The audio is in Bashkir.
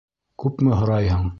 Күпме һорайһың?